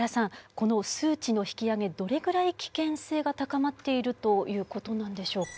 この数値の引き上げどれくらい危険性が高まっているという事なんでしょうか？